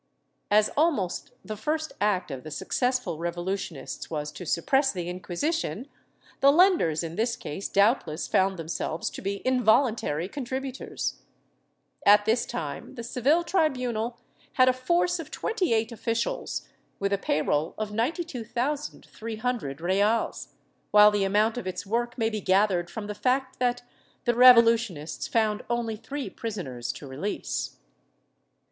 As almost the first act of the successful revolutionists was to suppress the Inquisition, the lenders in this case doubtless found themselves to be involuntary contributors.^ At this time the Seville tribunal had a force of twenty eight officials, with a pay roll of 92,300 reales, while the amount of its work may be gathered from the fact that the revolutionists found only three prisoners to release.